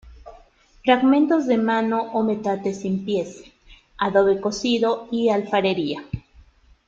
Fragmentos de mano o metate sin pies, adobe cocido y alfarería.